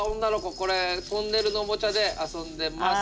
これトンネルのおもちゃで遊んでます。